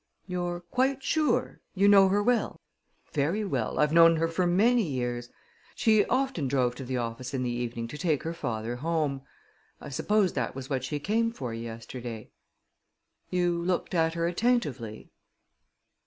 "You're quite sure? You know her well?" "Very well. I've known her for many years. She often drove to the office in the evening to take her father home. I supposed that was what she came for yesterday." "You looked at her attentively?"